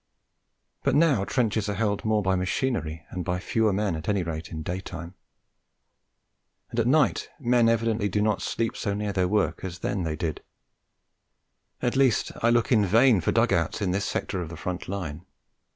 But now trenches are held more by machinery and by fewer men, at any rate, in daytime; and at night men evidently do not sleep so near their work as then they did; at least, I look in vain for dug outs in this sector of the front line.